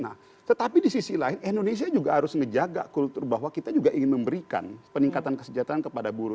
nah tetapi di sisi lain indonesia juga harus ngejaga kultur bahwa kita juga ingin memberikan peningkatan kesejahteraan kepada buruh